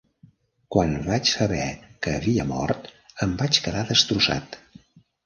Quan vaig saber que havia mort, em vaig quedar destrossat.